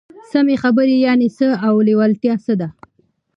سمې خبرې يانې څه او لېوالتيا څه ده؟